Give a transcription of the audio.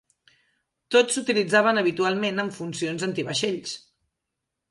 Tots s'utilitzaven habitualment amb funcions antivaixells.